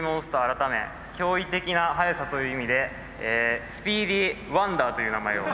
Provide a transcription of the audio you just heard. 改め驚異的な速さという意味で「スピーディー・ワンダー」という名前を。